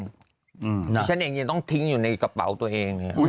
ที่ฉันเองเนี่ยต้องทิ้งอยู่ในกระเป๋าตัวเอง